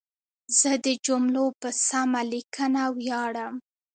زه د جملو په سمه لیکنه ویاړم.